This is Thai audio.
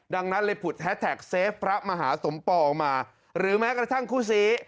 ดังนั้นเลยผุดแฮสแท็กเซฟพระมหาสมปองมาหรือแม้กระทั่งคู่ซี